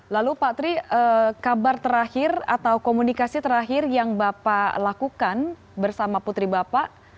lalu pak tri kabar terakhir atau komunikasi terakhir yang bapak lakukan bersama putri bapak